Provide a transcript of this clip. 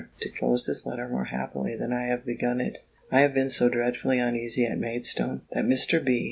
to close this letter more happily than I have begun it! I have been so dreadfully uneasy at Maidstone, that Mr. B.